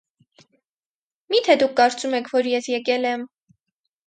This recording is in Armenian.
- Մի՞թե դուք կարծում եք, որ ես եկել եմ…